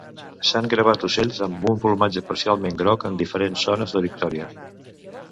S'han gravat ocells amb un plomatge parcialment groc en diferents zones de Victoria.